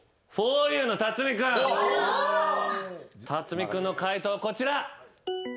辰巳君の解答こちら。